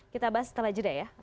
kita bahas setelah jeda ya